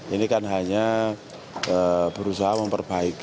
ini kan hanya berusaha memperbaiki